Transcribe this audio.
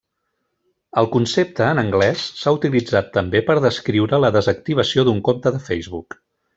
El concepte en anglès s'ha utilitzat també per descriure la desactivació d'un compte de Facebook.